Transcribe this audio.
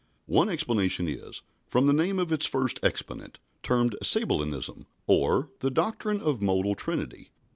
One explanation is, from the name of its first exponent, termed Sabellianism, or, the doctrine of a Modal Trinity.